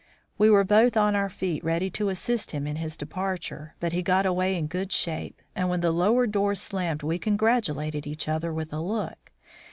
We were both on our feet ready to assist him in his departure. But he got away in good shape, and when the lower door slammed we congratulated each other with a look.